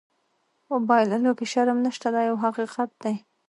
په بایللو کې شرم نشته دا یو حقیقت دی.